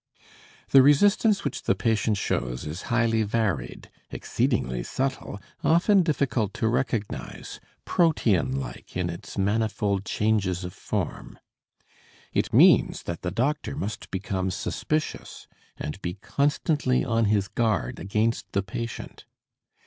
The resistance which the patient shows is highly varied, exceedingly subtle, often difficult to recognize, Protean like in its manifold changes of form. It means that the doctor must become suspicious and be constantly on his guard against the patient.